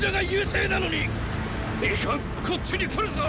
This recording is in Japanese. いかんこっちに来るぞ！